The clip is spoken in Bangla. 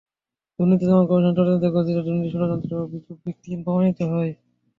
দুর্নীতি দমন কমিশনের তদন্তে কথিত দুর্নীতি ষড়যন্ত্রের অভিযোগ ভিত্তিহীন প্রমাণিত হয়।